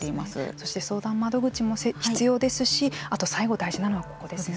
そして相談窓口も必要ですしあと最後大事なのはここですよね。